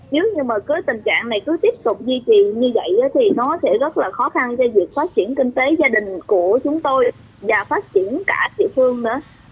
nếu như mà tình trạng này cứ tiếp tục duy trì như vậy thì nó sẽ rất là khó khăn cho việc phát triển kinh tế gia đình của chúng tôi và phát triển cả địa phương nữa